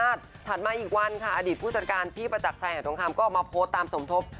ดังนั้นผ่านมาอีกวันค่ะอดิษฐ์ผู้จัดการพี่ประจักรชัยหายดองค้ามก็ออกมาโพสต์ตามสมทบ